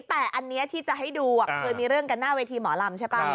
แต่อันนี้ที่จะให้ดูเคยมีเรื่องกันหน้าเวทีหมอลำใช่ป่ะ